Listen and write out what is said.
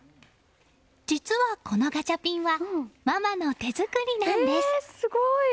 実はこのガチャピンはママの手作りなんです。